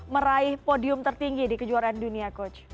meraih podium tertinggi di kejuaraan dunia coach